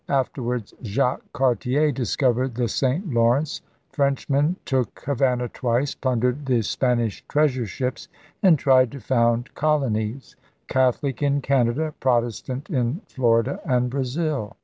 Afterwards Jacques Cartier discovered the St. Lawrence; Frenchmen took Havana twice, plundered the Spanish treasure ships, and tried to found colo nies — Catholic in Canada, Protestant in Florida and Brazil.